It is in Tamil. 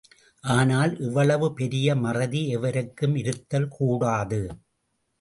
ஆனால் இவ்வளவு பெரிய மறதி எவருக்கும் இருத்தல் கூடாது.